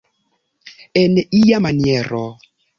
En ia maniero.